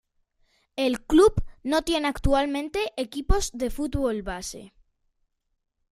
El club no tiene actualmente equipos de fútbol base.